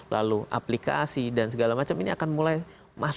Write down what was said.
lalu aplikasi dan segala macam ini akan mulai masuk